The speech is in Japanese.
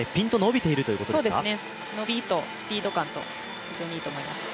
伸びとスピード感と、非常にいいと思います。